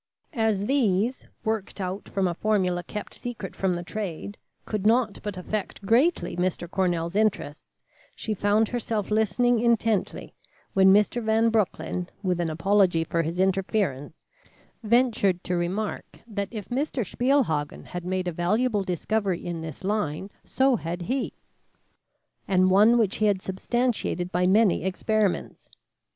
As these, worked out from a formula kept secret from the trade, could not but affect greatly Mr. Cornell's interests, she found herself listening intently, when Mr. Van Broecklyn, with an apology for his interference, ventured to remark that if Mr. Spielhagen had made a valuable discovery in this line, so had he, and one which he had substantiated by many experiments.